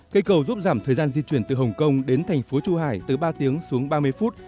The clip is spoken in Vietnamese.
cây cầu giúp giảm thời gian di chuyển từ hồng kông đến thành phố chu hải từ ba tiếng xuống ba mươi phút